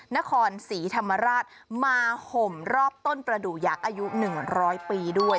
นครศรีธรรมราชมาห่มรอบต้นประดูกยักษ์อายุ๑๐๐ปีด้วย